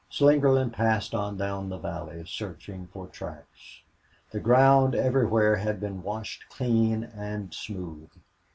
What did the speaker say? Slingerland passed on down the valley, searching for tracks. The ground everywhere had been washed clean and smooth.